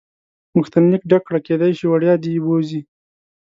غوښتنلیک ډک کړه کېدای شي وړیا دې بوځي.